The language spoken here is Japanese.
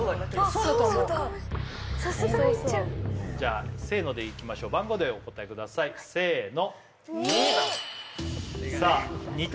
そうだと思うじゃあせーのでいきましょう番号でお答えくださいせーの２さあ２択